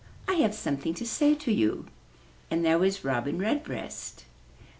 I have something to say to you. And there was Robin Redbreast.